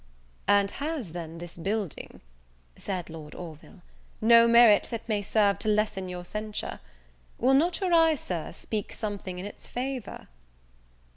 "And has, then, this building," said Lord Orville, "no merit that may serve to lessen your censure? Will not your eye, Sir, speak something in its favour?"